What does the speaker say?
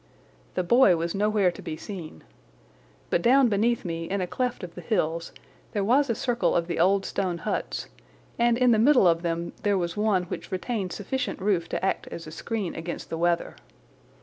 The boy was nowhere to be seen. But down beneath me in a cleft of the hills there was a circle of the old stone huts, and in the middle of them there was one which retained sufficient roof to act as a screen against the weather.